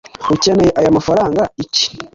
ukeneye aya mafranga iki?